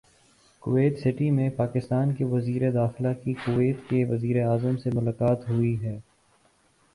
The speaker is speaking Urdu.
کویت سٹی میں پاکستان کے وزیر داخلہ کی کویت کے وزیراعظم سے ملاقات ہوئی ہے